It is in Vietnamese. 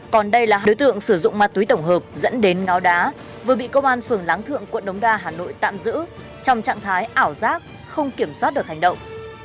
các sử dụng ma túy tổng hợp dẫn đến ngáo đá vừa bị công an phường láng thượng quận đống đa hà nội tạm giữ trong trạng thái ảo giác không kiểm soát được hành động